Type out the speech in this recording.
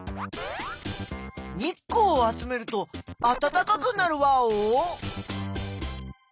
日光を集めるとあたたかくなるワオ？